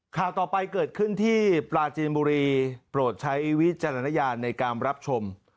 ข่าวต่อไปเกิดขึ้นที่ปลาจีนบุรีโปรดใช้วิจารณญาณในการรับชม